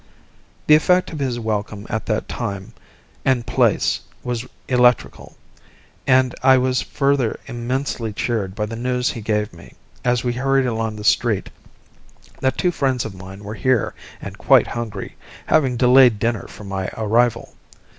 The effect of his welcome at that time and place was electrical, and I was further immensely cheered by the news he gave me, as we hurried along the street, that two friends of mine were here and quite hungry, having delayed dinner for my arrival.